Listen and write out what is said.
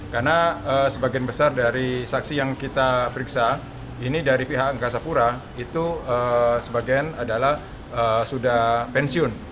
karena sebagian besar dari saksi yang kita periksa ini dari pihak angkasa pura itu sebagian adalah sudah pensiun